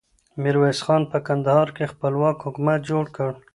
ميرويس خان په کندهار کې خپلواک حکومت جوړ کړ.